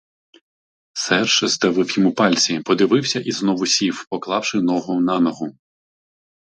Серж здавив йому пальці, підвівся і знову сів, поклавши ногу на ногу.